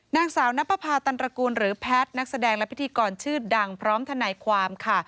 นางสาวนับประพาตันตระกูลหรือแพทย์นักแสดงและพิธีกรชื่อดังพร้อมทนายความค่ะ